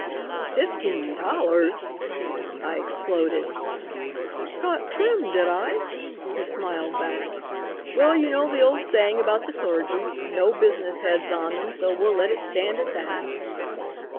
"'Fifteen dollars!' I exploded. "'Got trimmed, did I?' he smiled back. 'Well, you know the old saying about the clergy, no business heads on them, so we'll let it stand at that.'